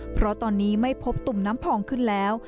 เพราะตอนนี้ไม่พบตุ่มน้ำพองขึ้นแล้ว